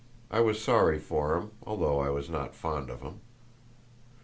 I was sorry for him, although I was not fond of him.